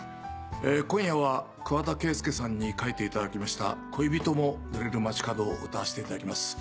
今夜は桑田佳祐さんに書いていただきました『恋人も濡れる街角』を歌わせていただきます。